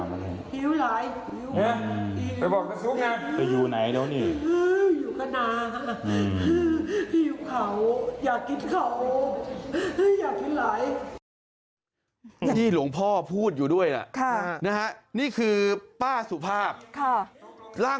มันปิดอย่างไหนฮะชีวิตอยู่กันตายคนกลาง